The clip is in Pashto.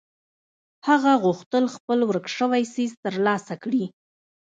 هغه غوښتل خپل ورک شوی څيز تر لاسه کړي.